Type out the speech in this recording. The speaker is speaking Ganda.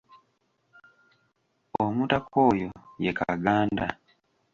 Omutaka oyo ye Kaganda.